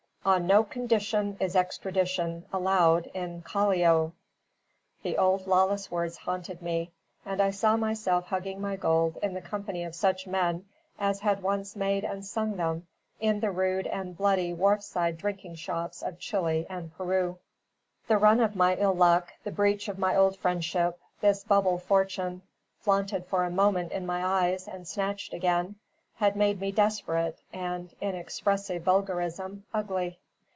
On no condition is extradition Allowed in Callao! the old lawless words haunted me; and I saw myself hugging my gold in the company of such men as had once made and sung them, in the rude and bloody wharfside drinking shops of Chili and Peru. The run of my ill luck, the breach of my old friendship, this bubble fortune flaunted for a moment in my eyes and snatched again, had made me desperate and (in the expressive vulgarism) ugly.